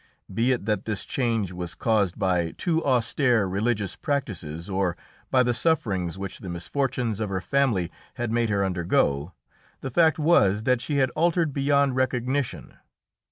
Be it that this change was caused by too austere religious practices, or by the sufferings which the misfortunes of her family had made her undergo, the fact was that she had altered beyond recognition.